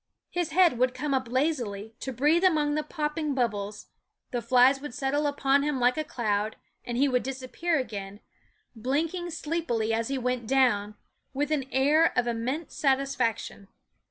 His head would come up lazily, to breathe among the popping bubbles ; the flies would settle upon him like a cloud, and he would disappear again, blinking sleepily as he went down, with an air of immense satisfaction.